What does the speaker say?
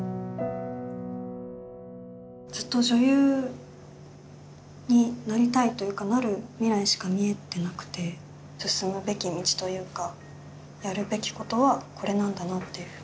ずっと女優になりたいというかなる未来しか見えてなくて進むべき道というかやるべきことはこれなんだなっていうふうに。